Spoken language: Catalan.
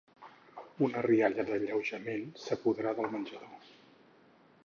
Una rialla d'alleujament s'apodera del menjador.